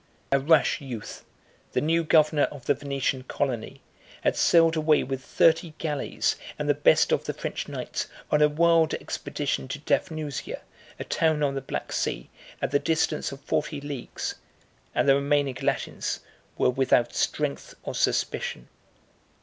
A rash youth, the new governor of the Venetian colony, had sailed away with thirty galleys, and the best of the French knights, on a wild expedition to Daphnusia, a town on the Black Sea, at the distance of forty leagues; 601 and the remaining Latins were without strength or suspicion.